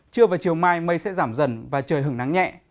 trưa và chiều mai mây sẽ giảm dần và trời hứng nắng nhẹ